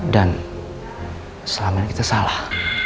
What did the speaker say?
dan selama ini kita salah